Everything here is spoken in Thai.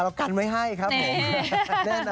เรากันไว้ให้ครับผมแน่นอน